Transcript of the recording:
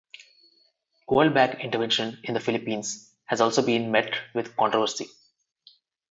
World Bank intervention in the Philippines has also been met with controversy.